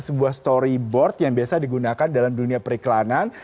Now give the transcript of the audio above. sebuah storyboard yang biasa digunakan dalam dunia periklanan